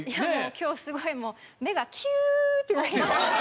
今日すごいもう目がキューッてなりました。